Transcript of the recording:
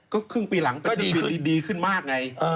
ก็ครึ่งปีหลังแต่ครึ่งปีนี้ดีขึ้นมากไง